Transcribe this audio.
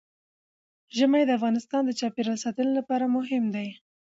ژمی د افغانستان د چاپیریال ساتنې لپاره مهم دي.